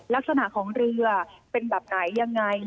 ลักษณะของเรือเป็นแบบไหนยังไง